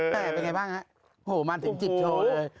แต่เป็นไงบ้างฮะโผล่มาถึงจิตโชว์เลย